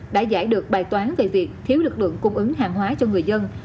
đã giải được bài toán về việc thiếu lực lượng cung ứng hàng hóa cho người dân